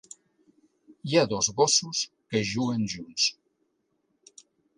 Hi ha dos gossos que juguen junts.